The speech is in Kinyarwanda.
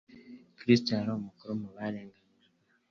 Kristo yari umukuru mu barenganijwe.